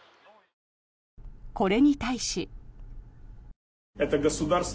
これに対し。